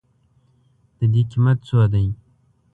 د دې قیمت څو دی؟